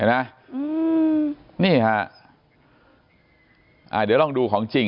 อะเดี๋ยวลองดูของจริง